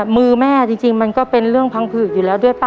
มือแม่จริงมันก็เป็นเรื่องพังผืดอยู่แล้วด้วยป่